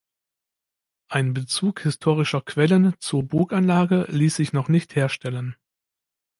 Ein Bezug historischer Quellen zur Burganlage ließ sich noch nicht herstellen.